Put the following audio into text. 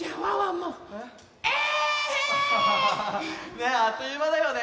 ねあっというまだよね。